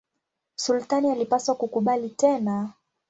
Sultani alipaswa kukubali tena.